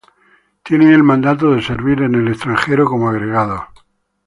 Tienen el mandato de servir en el extranjero como agregados.